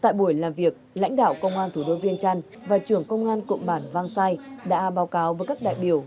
tại buổi làm việc lãnh đạo công an thủ đô viên trần và trưởng công an cộng bản vang sai đã báo cáo với các đại biểu